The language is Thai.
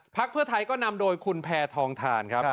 เพื่อไทยก็นำโดยคุณแพทองทานครับ